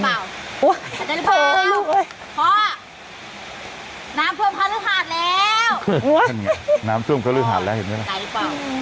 น้ำท่วมก็ลึกหาดแล้วน้ำท่วมก็ลึกหาดแล้วเห็นไหมตายหรือเปล่า